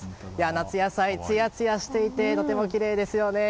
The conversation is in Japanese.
夏野菜、つやつやしていてとてもきれいですよね。